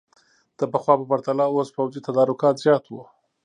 د پخوا په پرتله اوس پوځي تدارکات زیات وو.